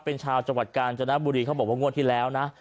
เป็นชาวจังหวัดกาญจนบุรีเขาบอกว่างวดที่แล้วนะ